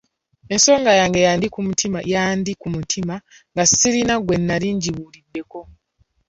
Ensonga yange yandi ku mutima nga sirina gwe nali ngibuuliddeko.